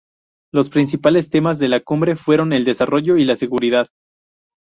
Los principales temas de la cumbre fueron el desarrollo y la seguridad.